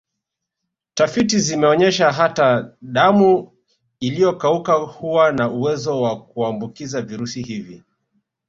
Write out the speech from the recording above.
Tafiti zimeonyesha hata damu iliyokauka huwa na uwezo wa kuambukiza virusi hivi